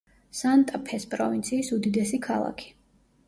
სანტა-ფეს პროვინციის უდიდესი ქალაქი.